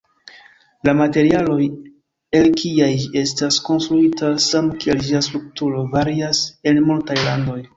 La materialoj el kiaj ĝi estas konstruita samkiel ĝia strukturo, varias en multaj landoj.